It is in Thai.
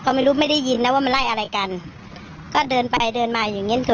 ก็ไม่รู้ไม่ได้ยินนะว่ามันไล่อะไรกันก็เดินไปเดินมาอย่างเงี้